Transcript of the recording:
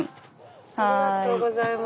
ありがとうございます。